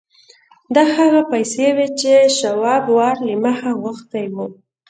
دا هغه پیسې وې چې شواب وار له مخه غوښتي وو